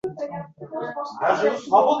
Men o‘z irodamni mustahkamlayman